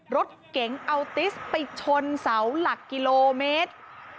รถเก๋งอัลติสไปชนเสาหลักกิโลเมตร